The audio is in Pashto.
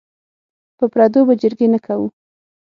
په پردو به جرګې نه کوو.